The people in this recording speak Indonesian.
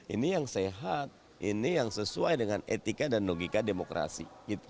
ini yang sehat ini yang sesuai dengan etika dan logika demokrasi